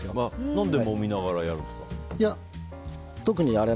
何でもみながらやるんですか？